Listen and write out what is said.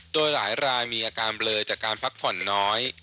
โดยหลายรายมีอาการเบลอจากการพักผ่อนน้อย